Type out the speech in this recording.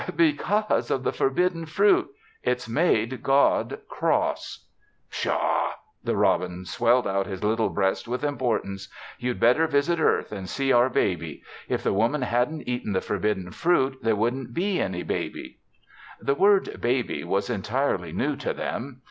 "Because of the forbidden fruit. It's made God cross." "Pshaw!" The robin swelled out his little breast with importance. "You'd better visit earth and see our baby. If the Woman hadn't eaten the forbidden fruit, there wouldn't be any baby." The word "baby" was entirely new to them.